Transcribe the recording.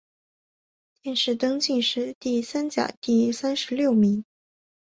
殿试登进士第三甲第三十六名。